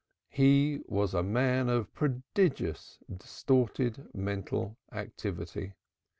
He was a man of prodigious distorted mental activity.